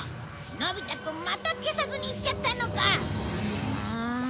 のび太くんまた消さずに行っちゃったのか。